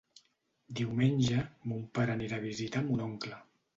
Diumenge mon pare anirà a visitar mon oncle.